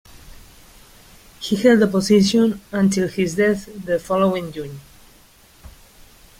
He held the position until his death the following June.